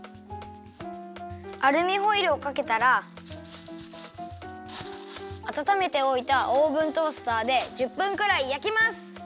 アルミホイルをかけたらあたためておいたオーブントースターで１０分くらいやきます。